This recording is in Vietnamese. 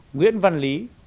nguyễn văn lý